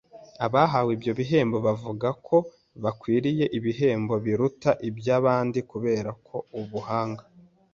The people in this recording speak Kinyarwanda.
Abahawe ibyo bihembo bavugaga ko bakwiriye ibihembo biurta iby’abandi kubera ko ubuhanga